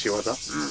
うん。